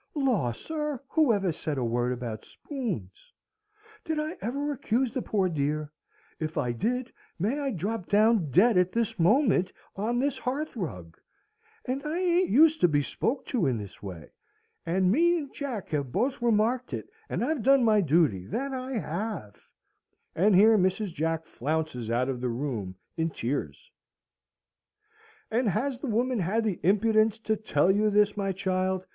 "Law, sir! who ever said a word about spoons? Did I ever accuse the poor dear? If I did, may I drop down dead at this moment on this hearth rug! And I ain't used to be spoke to in this way. And me and Jack have both remarked it; and I've done my duty, that I have." And here Mrs. Jack flounces out of the room, in tears. "And has the woman had the impudence to tell you this, my child?"